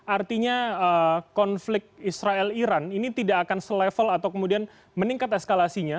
artinya konflik israel iran ini tidak akan selevel atau kemudian meningkat eskalasinya